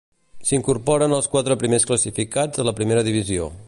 S'incorporen els quatre primers classificats a la Primera Divisió.